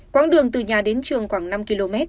quang đường từ nhà đến trường khoảng năm km